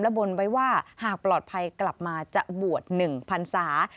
บนไว้ว่าหากปลอดภัยกลับมาจะบวช๑พันศา